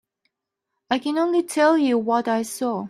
I can only tell you what I saw.